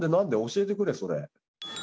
教えてくれそれ。